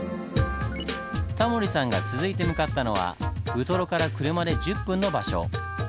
タモリさんが続いて向かったのはウトロから車で１０分の場所。